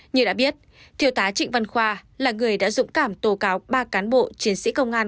như đã biết thiêu tá trịnh văn khoa là người đã dũng cảm tố cáo ba cán bộ chiến sĩ công an